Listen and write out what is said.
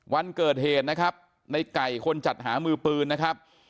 วันเกิดเหตุนะครับในไก่คนจัดหามือปืนนะครับ